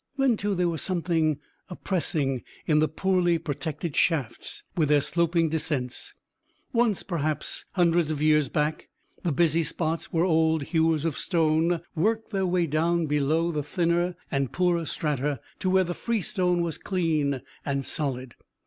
Then, too, there was something oppressing in the poorly protected shafts with their sloping descents, once, perhaps hundreds of years back, the busy spots where old hewers of stone worked their way down below the thinner and poorer strata to where the freestone was clean and solid.